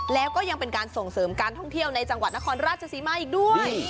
แล้วก็ยังเป็นการส่งเสริมการท่องเที่ยวในจังหวัดนครราชศรีมาอีกด้วย